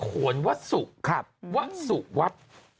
โหนวะสุกวะสุกวับ